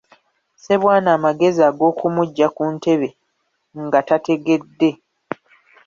Ssebwana amagezi ag'okumuggya ku ntebe nga tategedde.